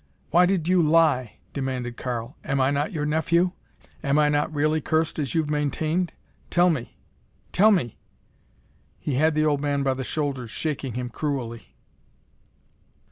"Why did you lie?" demanded Karl. "Am I not your nephew? Am I not really cursed as you've maintained? Tell me tell me!" He had the old man by the shoulders, shaking him cruelly.